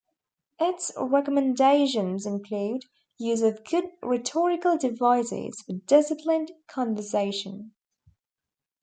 Its recommendations include use of good rhetorical devices for disciplined conversation.